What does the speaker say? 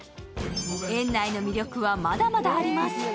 園内の魅力はまだまだあります。